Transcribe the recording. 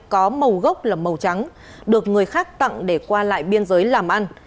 có màu gốc là màu trắng được người khác tặng để qua lại biên giới làm ăn